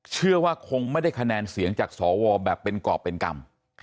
เชื่อว่าคงไม่ได้คะแนนเสียงจากสวแบบเป็นกรอบเป็นกรรม